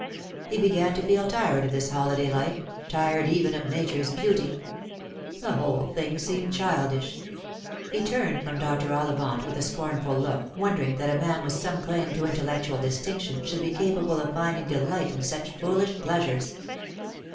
He began to feel tired of this holiday life — tired even of Nature's beauty. The whole thing seemed childish. He turned from Dr. OUivant with a scornful look, wondering that a man with some claim to intellectual distinction should be capable of finding delight in such foolish pleasures.